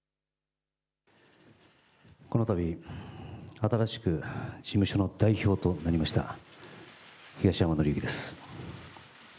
このたび、新しく事務所の代表となりました東山紀之です。